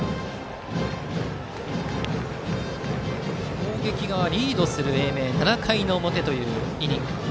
攻撃がリードする英明７回の表のイニング。